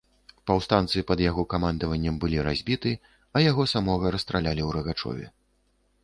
Паўстанцы пад яго камандаваннем былі разбіты, а яго самога расстралялі ў Рагачове